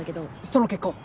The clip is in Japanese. その結果は？